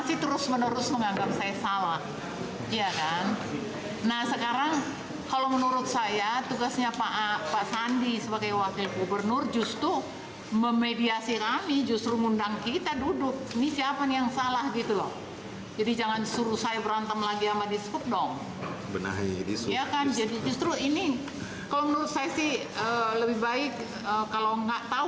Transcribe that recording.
ia juga mengangkat pada saat itu adalah ajudan anis baswedan